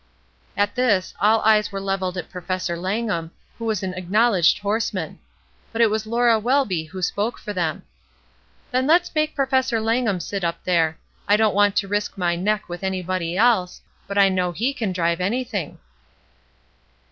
At this all eyes were levelled at Professor Langham, who was an acknowledged horseman; but it was Laura Welby who spoke for them. ''Then let's make Professor Langham sit up there ; I don't want to risk my neck with any body else, but I know he can drive anything."